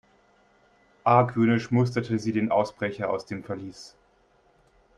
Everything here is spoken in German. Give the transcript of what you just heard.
Argwöhnisch musterte sie den Ausbrecher aus dem Verlies.